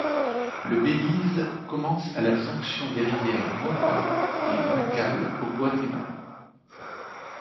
Le Belize commence à la jonction des rivières Mopan et Macal au Guatemala.